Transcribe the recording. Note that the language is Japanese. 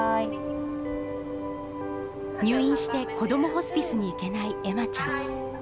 入院して、こどもホスピスに行けない恵麻ちゃん。